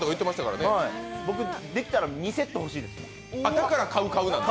僕、できたら２セット欲しいですもん。